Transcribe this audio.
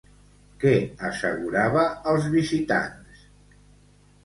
Què assegurava als visitants?